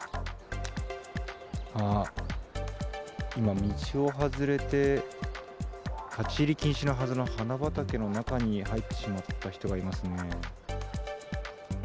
あー、今、道を外れて、立ち入り禁止のはずの花畑の中に入ってしまった人がいますね。